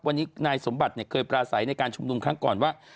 วันนี้นายสมบัติเคยปราศัยในการชุมนุมครั้งก่อนว่า